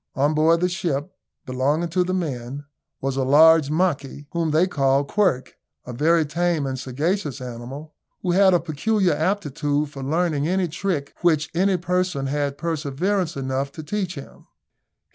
On board the ship, belonging to the men, was a large monkey, whom they called Quirk, a very tame and sagacious animal, who had a peculiar aptitude for learning any trick which any person had perseverance enough to teach him.